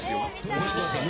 ご覧ください。